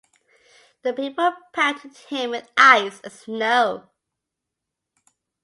The people pelted him with ice and snow.